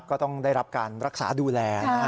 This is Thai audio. ก็ต้องได้รับการรักษาดูแล